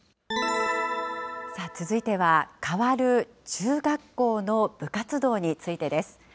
続いては、変わる中学校の部活動についてです。